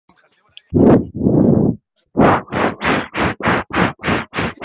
Toutefois, la place-forte de Montevideo, excellemment fortifiée, résista.